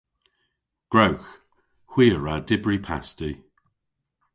Gwrewgh. Hwi a wra dybri pasti.